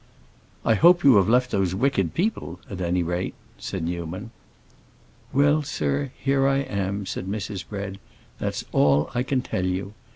"I hope you have left those wicked people, at any rate," said Newman. "Well, sir, here I am!" said Mrs. Bread. "That's all I can tell you.